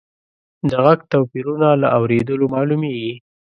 د غږ توپیرونه له اورېدلو معلومیږي.